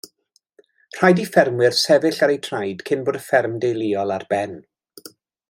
Rhaid i ffermwyr sefyll ar eu traed cyn bod y fferm deuluol ar ben.